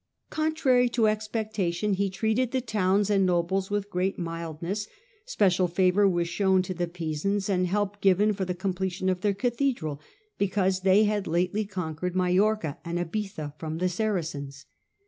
Contrary to expectation, he treated the towns and nobles with great mildness; special favour was shown to the Pisans, and help given for the completion of their cathedral, because they had lately conquered Majorca and Iviza from the Saracens.